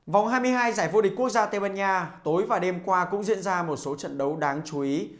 vòng hai mươi hai giải vô địch quốc gia tây ban nha tối và đêm qua cũng diễn ra một số trận đấu đáng chú ý